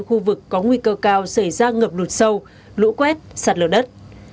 khu vực có nguy cơ cao xảy ra ngập lụt sâu lũ quét sạt lở đất